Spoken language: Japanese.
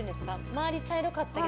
周りが茶色かったり。